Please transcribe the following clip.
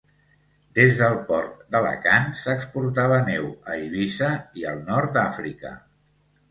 Des del port d'Alacant s'exportava neu a Eivissa i al nord d'Àfrica.